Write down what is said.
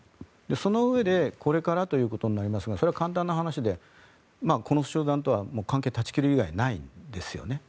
そのうえでこれからということになりますがそれは簡単な話でこの集団とはもう関係を断ち切る以外ないんですよね。